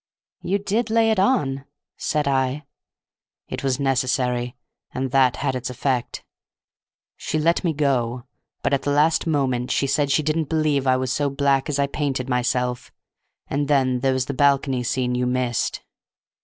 "You did lay it on," said I. "It was necessary, and that had its effect. She let me go. But at the last moment she said she didn't believe I was so black as I painted myself, and then there was the balcony scene you missed."